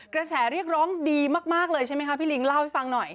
กระแสเรียกร้องดีมากเลยใช่ไหมคะพี่ลิงเล่าให้ฟังหน่อย